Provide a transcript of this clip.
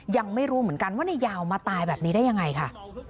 ยังไม่รู้เหมือนกันว่านายยาวมาตายแบบนี้ได้ยังไงค่ะ